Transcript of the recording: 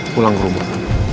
pulang ke rumah